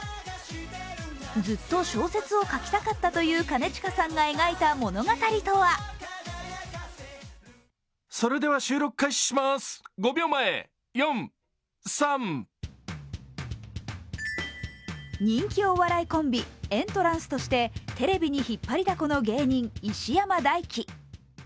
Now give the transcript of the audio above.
ずっと小説を書きたかったという、兼近さんが描いた物語とは人気お笑いコンビ、エントランスとしてテレビに引っ張りだこの芸人石山大樹。